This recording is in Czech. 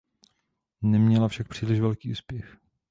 Neměla však příliš velký úspěch.